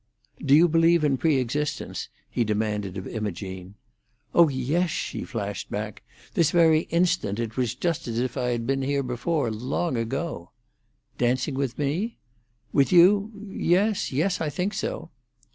"Do you believe in pre existence?" he demanded of Imogene. "Oh yes!" she flashed back. "This very instant it was just as if I had been here before, long ago." "Dancing with me?" "With you? Yes—yes—I think so."